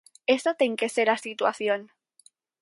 Esa ten que ser a situación.